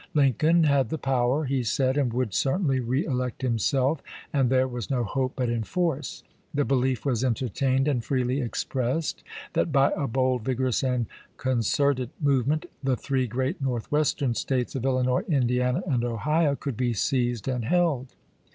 " Lincoln had the power," he said, " and would certainly reelect himself, and there was no hope but in force. The belief was entertained and freely expressed, that by a bold, vigorous, and concerted movement, the three great Northwestern States of Illinois, Indiana, and Ohio could be seized and held.